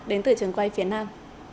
đến từ trường quay phía nam